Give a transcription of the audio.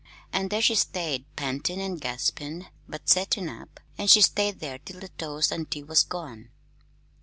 An' there she stayed, pantin' an' gaspin', but settin' up an' she stayed there till the toast an' tea was gone."